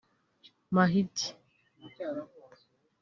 Mahdi